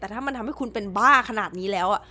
แต่ถ้ามันทำให้คุณเป็นบ้าขนาดนี้แล้ว